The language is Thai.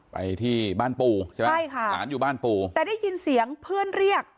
ไปที่บ้านปู่ใช่ไหมใช่ค่ะหลานอยู่บ้านปู่แต่ได้ยินเสียงเพื่อนเรียก